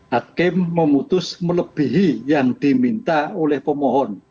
hakim memutus melebihi yang diminta oleh pemohon